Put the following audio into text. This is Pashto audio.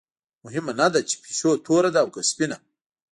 مهمه نه ده چې پیشو توره ده او که سپینه.